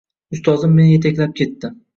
Ustozim meni yetaklab ketdi.